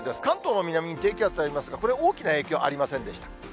関東の南に低気圧ありますが、これ、大きな影響はありませんでした。